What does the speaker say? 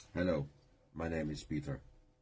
ฮัลโหลชื่อปีเตอร์